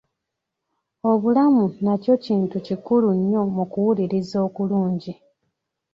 Obulamu nakyo kintu kikulu nnyo mu kuwuliriza okulungi.